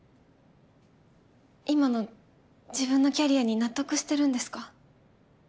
今の自分のキャリアに納得してるんですか？